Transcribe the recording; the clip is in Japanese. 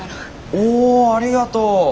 おありがとう。